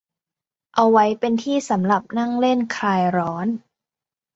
เอาไว้เป็นที่สำหรับนั่งเล่นคลายร้อน